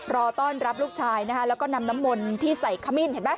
รอต้อนรับลูกชายแล้วก็นำน้ำมนต์ที่ใส่ขมิ้น